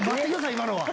今のは。